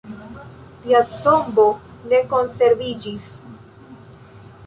Lia tombo ne konserviĝis.